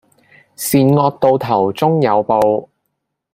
善惡到頭終有報